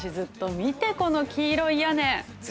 見て、この黄色い屋根。